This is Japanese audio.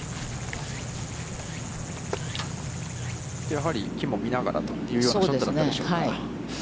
やはり木も見ながらというようなショットだったでしょうか。